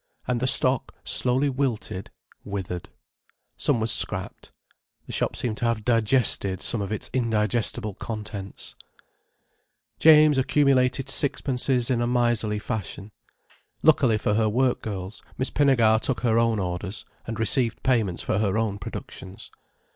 And the stock slowly wilted, withered. Some was scrapped. The shop seemed to have digested some of its indigestible contents. James accumulated sixpences in a miserly fashion. Luckily for her work girls, Miss Pinnegar took her own orders, and received payments for her own productions.